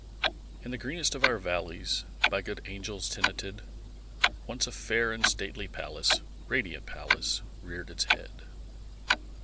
In the greenest of our valleys By good angels tenanted, Once a fair and stately palace Radiant palace reared its head.